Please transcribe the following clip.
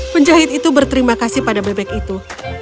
penjahit itu berterima kasih pada bebek itu